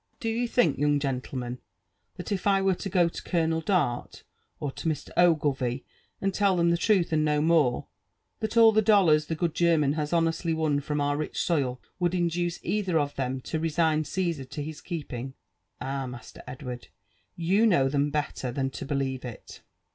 — Do you think, young gentleman, that if I were to go to Colonel Dart, or to Mr. Ogleyie, and tell them the truth and no more, that all the dollars the good German has honestly won from our rich soil would induce either of them to resign GsBsar to his keeping?— Ah, Master Edward ! you know them better than to believe it."